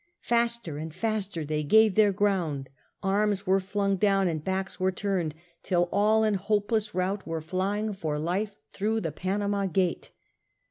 Faster and faster they gave their ground, arms were flung down and backs were turned, till all in hopeless rout were flying for life through the Panama gate.